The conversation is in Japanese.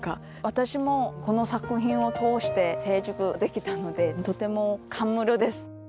私もこの作品を通して成熟できたのでとても感無量です！